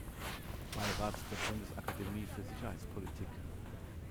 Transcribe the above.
Beirat der Bundesakademie für Sicherheitspolitik.